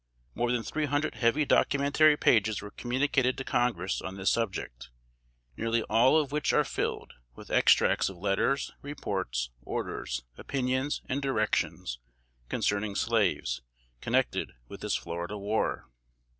More than three hundred heavy documentary pages were communicated to Congress on this subject, nearly all of which are filled with extracts of letters, reports, orders, opinions and directions concerning slaves, connected with this Florida war.